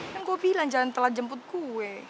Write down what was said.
kan gua bilang jangan telat jemput gue